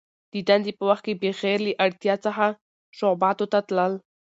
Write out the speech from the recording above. د دندي په وخت کي بغیر له اړتیا څخه شعباتو ته تلل .